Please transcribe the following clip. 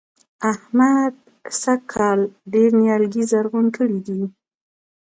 احمد سږ کال ډېر نيالګي زرغون کړي دي.